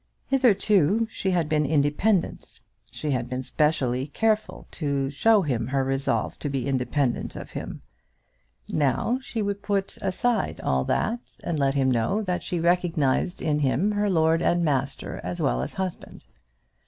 Hitherto she had been independent; she had specially been careful to show to him her resolve to be independent of him. Now she would put aside all that, and let him know that she recognised in him her lord and master as well as husband.